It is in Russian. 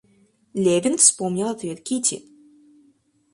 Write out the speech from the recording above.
Левин вспомнил ответ Кити.